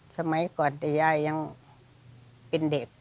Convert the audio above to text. สมัยก่อนแต่ยายยังเป็นเด็ก